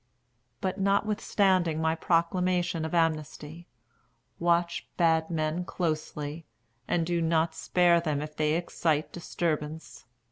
But, notwithstanding my proclamation of amnesty, watch bad men closely, and do not spare them if they excite disturbance.